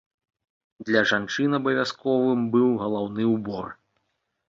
Для жанчын абавязковым быў галаўны ўбор.